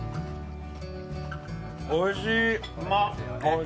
おいしい！